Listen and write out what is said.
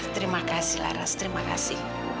terima kasih laras terima kasih